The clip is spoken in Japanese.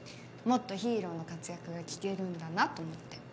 もっとヒーローの活躍が聞けるんだなと思って。